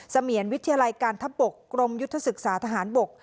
เสมียนวิทยาลัยการทับบกกรมยุทธศึกษาทหารบก